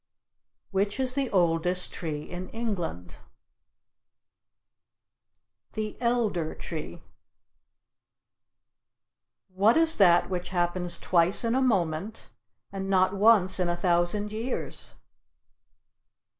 Which is the oldest tree in England? The Elder Tree. What is that which happens twice in a moment and not once in a thousand years?